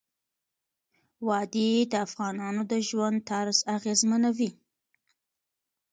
وادي د افغانانو د ژوند طرز اغېزمنوي.